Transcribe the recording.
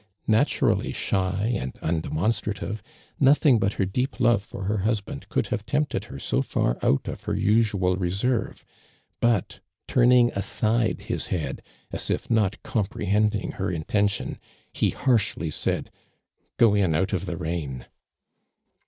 Naturally shy and undemonstrative, nothing but her deep lo\'« for her husband could have tempted her so far out of her usual reserve ; but, turning aside his head. as if nut comprehending her intention, he harshly said :" Go in out of the rain."